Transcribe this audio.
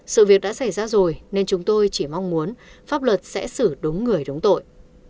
sự việc đã xảy ra rồi nên chúng tôi chỉ mong muốn pháp luật sẽ xử đúng người đúng tội